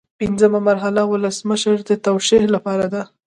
پنځمه مرحله ولسمشر ته د توشیح لپاره ده.